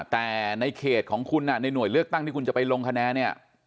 แต่ในเขตของคุณในหน่วยเลือกตั้งที่คุณจะไปลงคะแนนเนี่ย